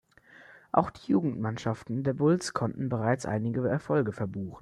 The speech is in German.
Auch die Jugendmannschaften der Bulls konnten bereits einige Erfolge verbuchen.